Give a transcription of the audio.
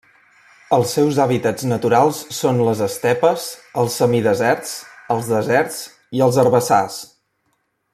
Els seus hàbitats naturals són les estepes, els semideserts, els deserts i els herbassars.